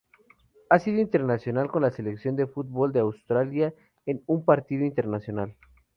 Ha sido internacional con la selección de fútbol de Australia en un partido internacional.